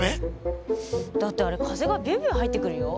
だってあれ風がビュウビュウ入ってくるよ。